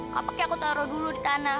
kapaknya aku taruh dulu di tanah